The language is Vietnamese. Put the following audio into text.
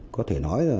có thể nói là